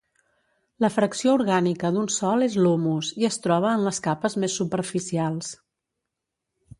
La fracció orgànica d'un sòl és l'humus i es troba en les capes més superficials.